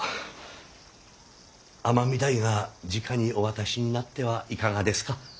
尼御台がじかにお渡しになってはいかがですか。